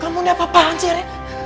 kamu ini apa apaan sih erin